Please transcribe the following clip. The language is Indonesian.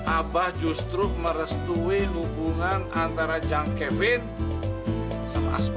abah justru merestui hubungan antara jang kevin sama aspal